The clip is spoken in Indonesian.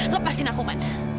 lepaskan aku man